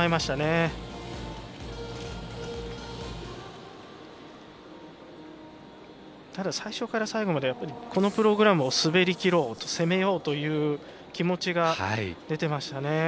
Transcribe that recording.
ただ、最初から最後までこのプログラムを滑りきろう攻めようという気持ちが出てましたね。